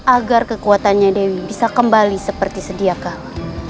agar kekuatannya dewi bisa kembali seperti sediakah